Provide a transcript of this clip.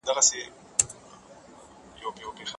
وزیر اکبر خان د بخارا د پاچا د زندان سختۍ تیرې کړې.